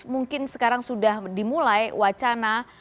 mungkin sekarang sudah dimulai wacana